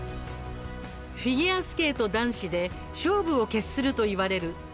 フィギュアスケート男子で勝負を決するといわれる